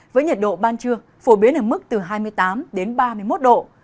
với nhiệt độ ban trưa phổ biến ở mức từ hai mươi tám đến ba mươi một độ